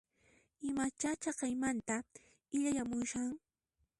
Imacha chaqaymanta illayamushan?